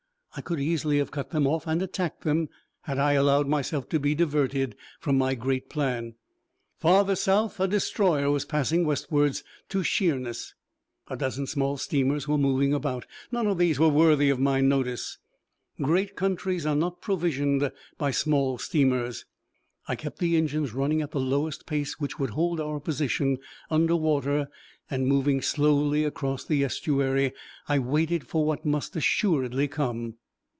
I could easily have cut them off and attacked them had I allowed myself to be diverted from my great plan. Farther south a destroyer was passing westwards to Sheerness. A dozen small steamers were moving about. None of these were worthy of my notice. Great countries are not provisioned by small steamers. I kept the engines running at the lowest pace which would hold our position under water, and, moving slowly across the estuary, I waited for what must assuredly come.